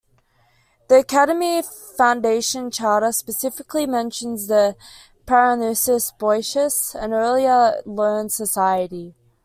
The Academy's foundation charter specifically mentions the Parnassus Boicus, an earlier learned society.